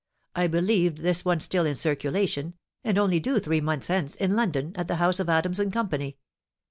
I believed this one was still in circulation, and only due three months hence, in London, at the house of Adams and Company."